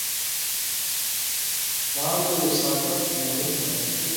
مالګه یو ساده، خو مهم نعمت دی.